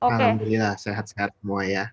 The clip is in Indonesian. alhamdulillah sehat sehat semua ya